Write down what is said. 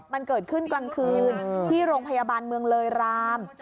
มันเกิดขึ้นกลางคืนที่โรงพยาบาลเมืองเลยราม